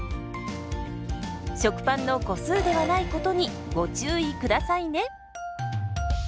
食パンの個数ではないことにご注意下さいね。